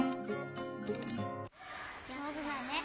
じょうずだね。